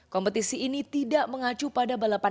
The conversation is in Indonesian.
kompetisi ini tidak mengacu pada balapan